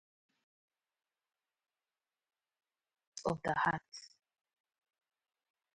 A great wind arose and blew away part of the roofs of the huts.